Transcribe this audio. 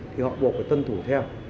thì họ buộc phải tân thủ theo